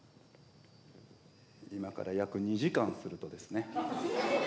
今から約２時間するとですね。